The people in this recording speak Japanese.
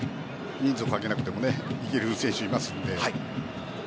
人数をかけなくてもいける選手はいますので。